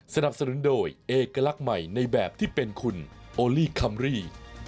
สนับสนุนโดยเอกลักษณ์ใหม่ในแบบที่เป็นคุณโอลี่คัมรี่